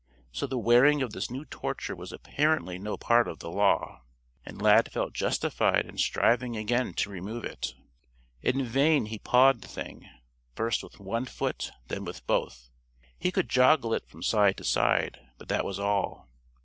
So the wearing of this new torture was apparently no part of the Law. And Lad felt justified in striving again to remove it. In vain he pawed the thing, first with one foot, then with both. He could joggle it from side to side, but that was all.